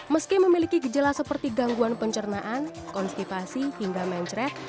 meski memiliki gejala seperti gangguan pencernaan konstipasi hingga mencret